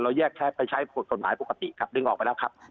แยกใช้ไปใช้กฎหมายปกติครับดึงออกไปแล้วครับ